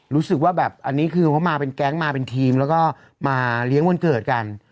รู้สึกว่าแบบอันนี้คือเขามาเป็นแก๊งมาเป็นทีมแล้วก็มาเลี้ยงวันเกิดกัน